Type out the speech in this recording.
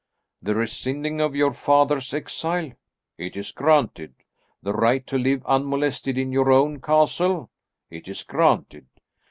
The rescinding of your father's exile? It is granted. The right to live unmolested in your own castle? It is granted.